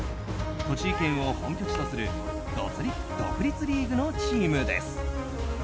栃木県を本拠地とする独立リーグのチームです。